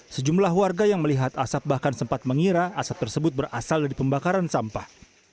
sejumlah warga yang melihat asap bahkan sempat mengira asap tersebut berasal dari pembakaran sampah